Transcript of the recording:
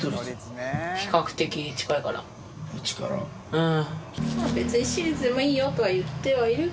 うん。